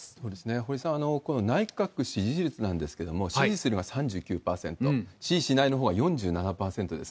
堀さん、この内閣支持率なんですけども、支持するが３９％、支持しないのほうは４７％です。